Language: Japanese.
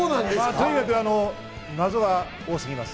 とにかく謎が多すぎます。